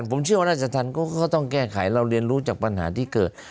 ผมเชื่อว่าราชธรรมก็ต้องแก้ไขเราเรียนรู้จากปัญหาที่เกิด